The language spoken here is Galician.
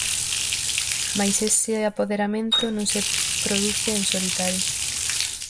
Mais esa apoderamento non se produce en solitario.